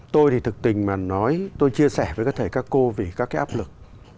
tôi thì thực tình mà nói tôi chia sẻ với các thầy các cô vì các cái áp lực